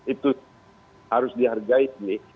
itu harus dihargai ini